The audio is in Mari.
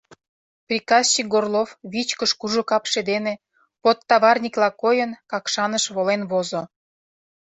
Приказчик Горлов вичкыж кужу капше дене, подтаварникла койын, Какшаныш волен возо.